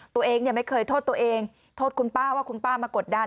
ตัวเองไม่เคยโทษตัวเองโทษคุณป้าว่าคุณป้ามากดดัน